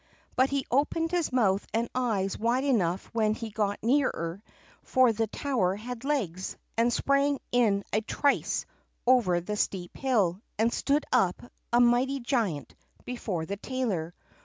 But he opened his mouth and eyes wide enough when he got nearer; for the tower had legs, and sprang in a trice over the steep hill, and stood up, a mighty giant, before the tailor.